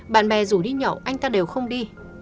bạn bè rủ đi nhậu anh ta đều không đi